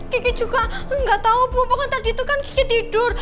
kiki juga gak tau bu pokoknya tadi itu kan kiki tidur